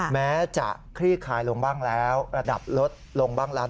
แม้จะคลี่คลายลงบ้างแล้วระดับลดลงบ้างละ